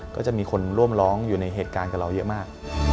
ก็จะมีคนร่วมร้องอยู่ในเหตุการณ์กับเราเยอะมาก